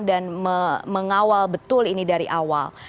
mengawal betul ini dari awal